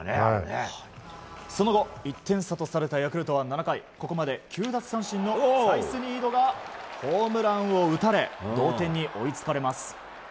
その後１点差とされたヤクルトは７回、ここまで９奪三振のサイスニードがホームランを打たれ同点に追いつかれます。